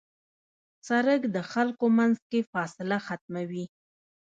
سړک د خلکو منځ کې فاصله ختموي.